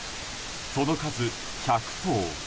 その数１００頭。